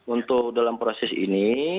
untuk dalam proses ini